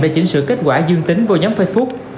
để chỉnh sửa kết quả dương tính với nhóm facebook